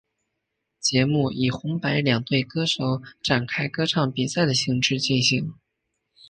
节目以红白两队歌手展开歌唱比赛的形式进行。